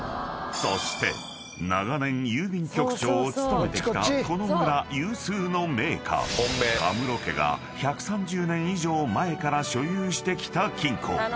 ［そして長年郵便局長を務めてきたこの村有数の名家田室家が１３０年以上前から所有してきた金庫］